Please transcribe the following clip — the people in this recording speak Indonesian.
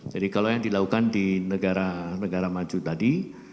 jadi kalau yang dilakukan di negara negara maju tadi